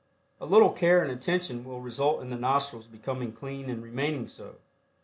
A little care and attention will result in the nostrils becoming clean and remaining so.